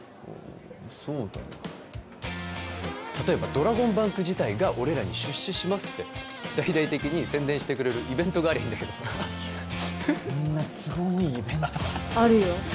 そうだな例えばドラゴンバンク自体が俺らに出資しますって大々的に宣伝してくれるイベントがありゃいいんだけどなそんな都合のいいイベントあるよ